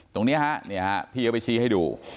ตรงนี้พี่เอาไปซีให้ดู